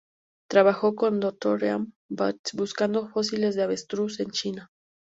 Trabajó con Dorothea Bate buscando fósiles de avestruz en China.